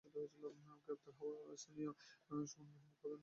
গ্রেপ্তার হওয়া সুজন স্থানীয় সন্ত্রাসী সুমন বাহিনীর প্রধান সুমনের ছোট ভাই।